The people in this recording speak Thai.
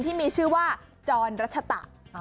ที่มีชื่อว่าจรรัชตะ